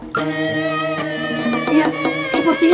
ini kurma ajwa pak ustad